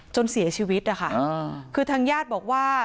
จนเสียชีวิตนะคะคือทางญาติบอกว่า